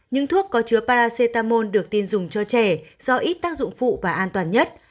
những thuốc có chứa paracetamol được tin dùng cho trẻ do ít tác dụng phụ và an toàn nhất